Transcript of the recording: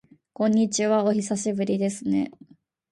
こんにちは、お久しぶりですね。